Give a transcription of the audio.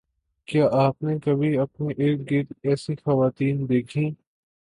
کیا آپ نے کبھی اپنی اررگرد ایسی خواتین دیکھیں